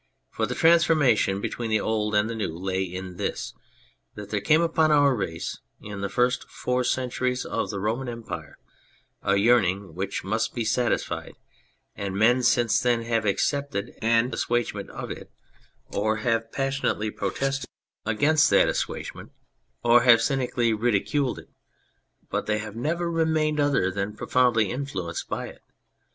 For the trans formation between the old and the new lay in this, that there came upon our race in the first four cen turies of the Roman Empire a yearning which must be satisfied, and men since then have accepted an assuagement of it or have passionately protested 61 On Anything against that assuagement, or have cynically ridi culed it, but they have never remained other than profoundly influenced by it.